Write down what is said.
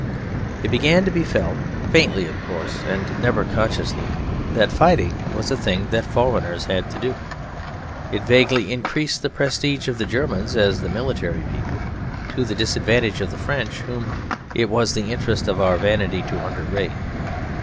It began to be felt, faintly of course and never consciously, that fighting was a thing that foreigners had to do. It vaguely increased the prestige of the Germans as the military people, to the disadvantage of the French, whom it was the interest of our vanity to underrate.